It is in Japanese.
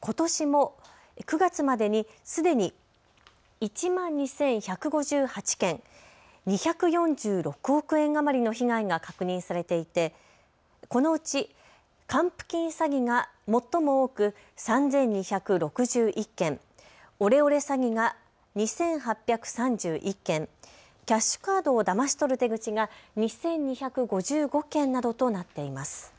ことしも９月までにすでに１万２１５８件、２４６億円余りの被害が確認されていてこのうち還付金詐欺が最も多く３２６１件、オレオレ詐欺が２８３１件、キャッシュカードをだまし取る手口が２２５５件などとなっています。